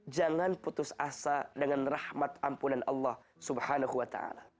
jangan putus asa dengan rahmat ampunan allah swt